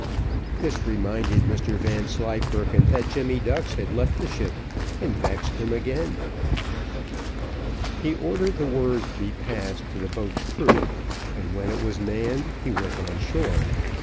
This reminded Mr Vanslyperken that Jemmy Ducks had left the ship, and vexed him again. He ordered the word to be passed to the boat's crew, and when it was manned he went on shore.